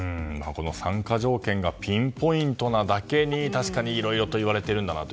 参加条件がピンポイントなだけに確かにいろいろといわれているんだろうな